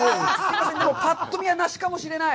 パッと見は梨かもしれない。